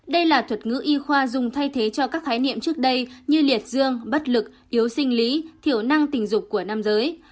đây là thuật ngữ y khoa dùng thay thế cho các khái niệm trước đây như liệt dương bất lực yếu sinh lý thiểu năng tình dục của nam giới